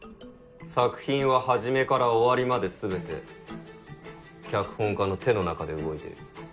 作品ははじめから終わりまですべて脚本家の手の中で動いている。